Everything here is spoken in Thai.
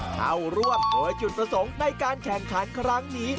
เข้าร่วมโดยจุดประสงค์ในการแข่งขันครั้งนี้